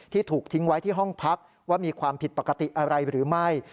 ถูกทิ้งไว้ที่ห้องพักว่ามีความผิดปกติอะไรหรือไม่